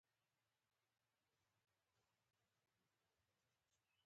د سلام جان مېرمن په کږو کتلو شونډې واچولې.